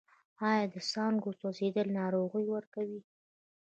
آیا د څانګو سوځول ناروغۍ ورکوي؟